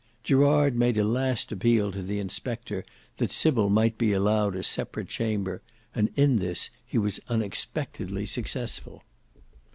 Gerard made a last appeal to the inspector that Sybil might be allowed a separate chamber and in this he was unexpectedly successful.